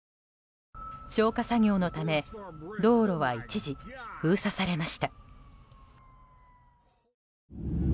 消火作業のため道路は一時封鎖されました。